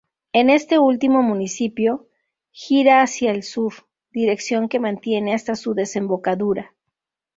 En este último municipio, gira hacia el sur, dirección que mantiene hasta su desembocadura.